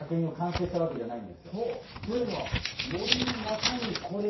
ほうというのは？